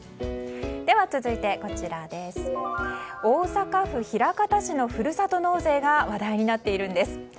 続いて、大阪府枚方市のふるさと納税が話題になっているんです。